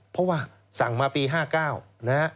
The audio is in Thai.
เพราะว่าสั่งมาปี๕๙นะฮะ